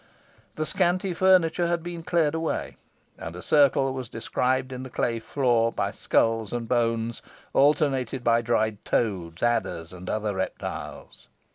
The scanty furniture had been cleared away, and a circle was described on the clay floor by skulls and bones, alternated by dried toads, adders, and other reptiles.